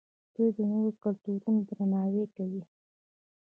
دوی د نورو کلتورونو درناوی کوي.